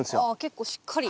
結構しっかり。